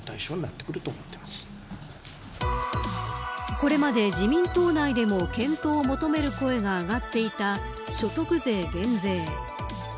これまで、自民党内でも検討を求める声が上がっていた所得税減税。